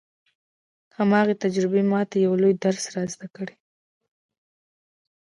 هماغې تجربې ما ته يو لوی درس را زده کړ.